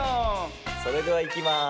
それではいきます。